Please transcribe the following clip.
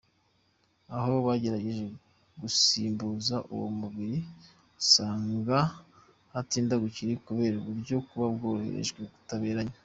N’aho bagerageje gusimbuza uwo mubiri usanga hatinda gukira kubera uburyo buba bwakoreshejwe butaberanye.